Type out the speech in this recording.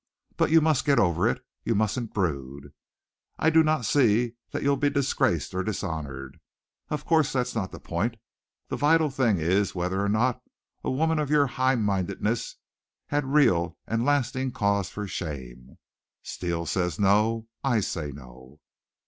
But you must get over it. You mustn't brood. I do not see that you'll be disgraced or dishonored. Of course, that's not the point. The vital thing is whether or not a woman of your high mindedness had real and lasting cause for shame. Steele says no. I say no."